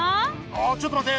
ああちょっと待って！